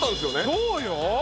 そうよ。